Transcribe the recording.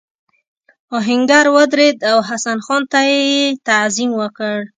آهنګر ودرېد او حسن خان ته یې تعظیم وکړ.